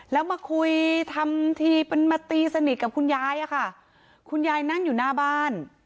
แล้วมาคุยทำทีเป็นมาตีสนิทกับคุณยายอะค่ะคุณยายนั่งอยู่หน้าบ้าน